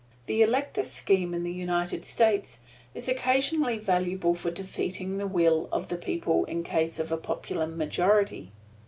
The elector scheme in the United States is occasionally valuable for defeating the will of the people in case of a popular majority.